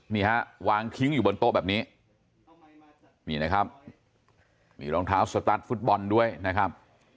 นี่ฮะวางทิ้งอยู่บนโต๊ะแบบนี้นี่นะครับมีรองเท้าสตาร์ทฟุตบอลด้วยนะครับ